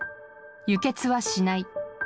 輸血はしない。